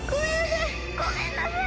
ごめんなさい！